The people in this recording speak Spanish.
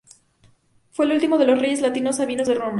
Fue el último de los reyes latino-sabinos de Roma.